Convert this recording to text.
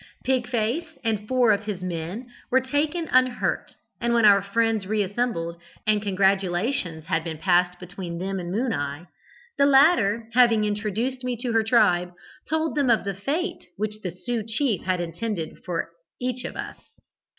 "Pig face and four of his men were taken unhurt, and when our friends re assembled, and congratulations had passed between them and Moon eye, the latter, having introduced me to her tribe, told them of the fate which the Sioux chief had intended for each of us.